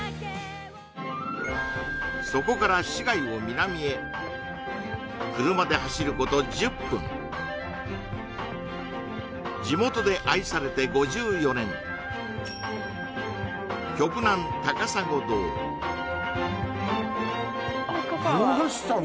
そこから市街を南へ車で走ること１０分地元で愛されて５４年あっ洋菓子さん？